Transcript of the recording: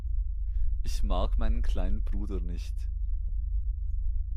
Ich mag meinen kleinen Bruder nicht.